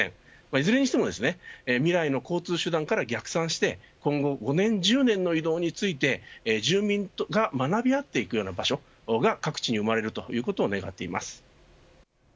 いずれにしても未来の交通手段から逆算して今後５年１０年の移動について住民が学び合っていく場所が各地に生まれることを願っています。